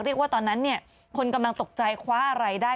เรียกว่าตอนนั้นคนกำลังตกใจคว้าอะไรได้